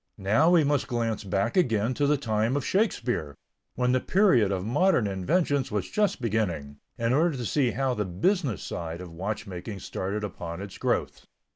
Now we must glance back again to the time of Shakespeare, when the period of modern inventions was just beginning, in order to see how the business side of watchmaking started upon its growth.